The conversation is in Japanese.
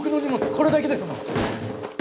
これだけですもん。